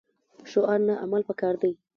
شعار نه عمل پکار دی